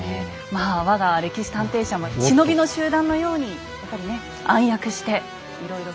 まあ我が歴史探偵社も忍びの集団のようにやっぱりね暗躍していろいろ。